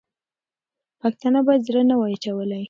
پښتانه باید زړه نه وای اچولی.